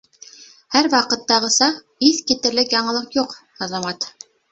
Һәр ваҡыттағыса, иҫ китерлек яңылыҡ юҡ, Азамат.